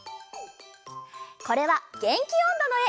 これは「げんきおんど」のえ。